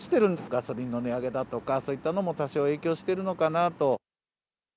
ガソリンの値上げだとか、そういったのも多少影響しているのかなと。